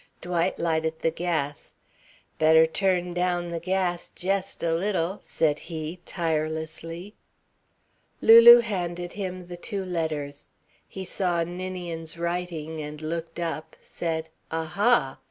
Dwight lighted the gas. "Better turn down the gas jest a little," said he, tirelessly. Lulu handed him the two letters. He saw Ninian's writing and looked up, said "A ha!"